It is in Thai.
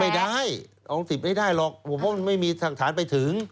ไม่ได้ไม่ได้หรอกไม่มีหลักฐานไปถึง